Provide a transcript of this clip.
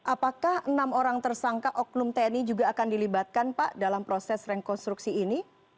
apakah enam orang tersangka oknum tni juga akan dilibatkan pak dalam proses rekonstruksi ini